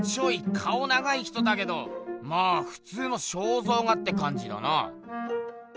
長い人だけどまあふつうの肖像画ってかんじだな。